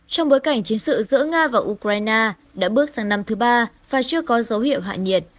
trong bối cảnh chiến sự giữa nga và ukraine đã bước sang năm thứ ba và chưa có dấu hiệu hạ nhiệt